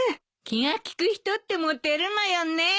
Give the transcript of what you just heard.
気が利く人ってモテるのよね。